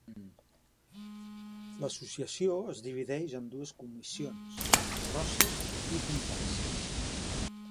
L'associació es divideix en dues comissions: carrosses i comparses.